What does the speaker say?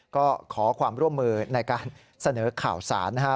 ก็ขอความร่วมมือในการเสนอข่าวสารนะฮะ